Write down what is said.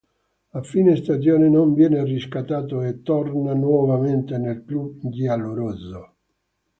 A fine stagione non viene riscattato e torna nuovamente nel club giallorosso.